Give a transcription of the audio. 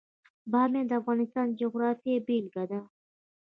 بامیان د افغانستان د جغرافیې بېلګه ده.